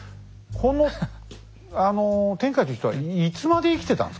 この天海という人はいつまで生きてたんですか？